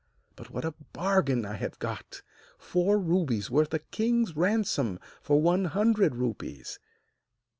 But what a bargain I have got! Four rubies worth a king's ransom, for one hundred rupees!